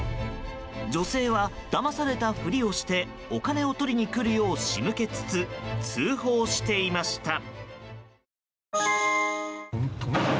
女性はだまされたふりをしてお金を取りに来るよう仕向けつつ通報していました。